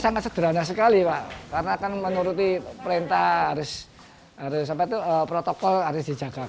sangat sederhana sekali pak karena kan menuruti perintah harus protokol harus dijaga